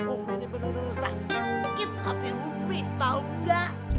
ummi ini bener bener sakit ya mungkin